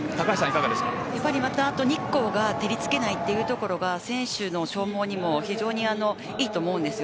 日光が照りつけないところが選手の消耗にも非常にいいと思います。